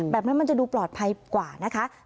แบบนั้นมันจะดูปลอดภัยกว่านะคะ